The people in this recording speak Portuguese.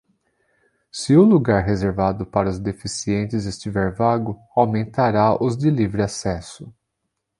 Se o lugar reservado para os deficientes estiver vago, aumentará os de livre acesso.